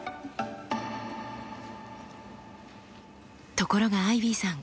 ところがアイビーさん